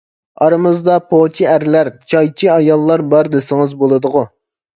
ئارىمىزدا پوچى ئەرلەر، چايچى ئاياللار بار دېسىڭىز بولىدىغۇ.